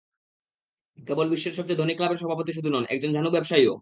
কেবল বিশ্বের সবচেয়ে ধনী ক্লাবের সভাপতি শুধু নন, একজন ঝানু ব্যবসায়ীও।